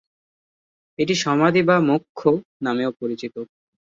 এটি সমাধি বা মোক্ষ নামেও পরিচিত।